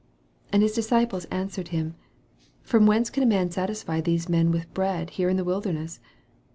4 And his discip^s answered him, From whence can a man satisfy these men with bread here in the wilder ness